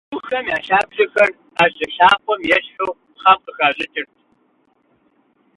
Духэм я лъабжьэхэр ӏэжьэ лъакъуэм ещхьу пхъэм къыхащӏыкӏырт.